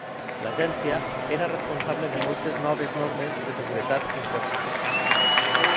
L'agència era responsable de moltes noves normes de seguretat en cotxes.